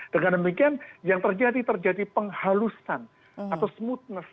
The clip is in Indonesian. dengan demikian yang terjadi terjadi penghalusan atau smoothness